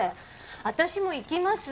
私も行きます。